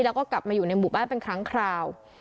แล้วก็กลับมาอยู่ในหมู่บ้านเป็นครั้งคราว